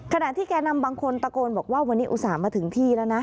ขณะที่แก่นำบางคนตะโกนบอกว่าวันนี้อุตส่าห์มาถึงที่แล้วนะ